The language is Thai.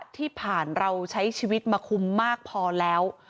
ที่ผ่านมาเราใช้ชีวิตมาคุมมากพอแล้ว